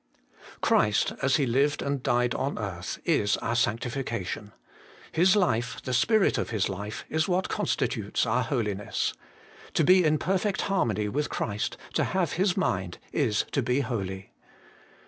7. Christ, as He lived and died on earth, is our sanctification. His life, the Spirit of His life, is what constitutes our holiness. To be in perfect harmony with Christ, to have His mind, is to be holy.